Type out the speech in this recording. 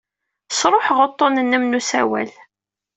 Sṛuḥeɣ uḍḍun-nnem n usawal.